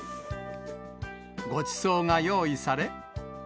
ごちそうが用意され。